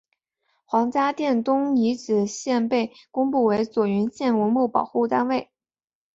黄家店东遗址现被公布为左云县文物保护单位。